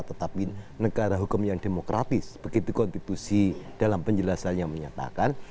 tetapi negara hukum yang demokratis begitu konstitusi dalam penjelasannya menyatakan